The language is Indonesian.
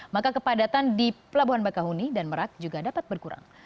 maka kepadatan di pelabuhan bakahuni dan merak juga dapat berkurang